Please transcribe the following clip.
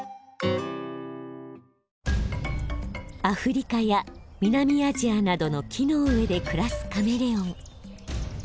アフリカや南アジアなどの木の上で暮らすカメレオン。